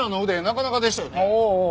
なかなかでしたよね。